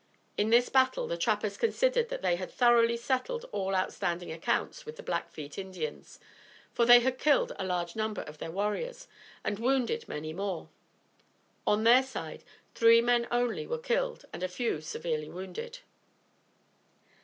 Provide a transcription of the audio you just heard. In this battle the trappers considered that they had thoroughly settled all outstanding accounts with the Blackfeet Indians, for they had killed a large number of their warriors and wounded many more. On their side three men only were killed and a few severely wounded.